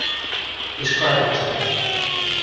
Describe it to me.